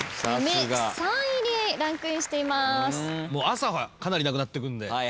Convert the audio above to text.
朝はかなりなくなってくんで。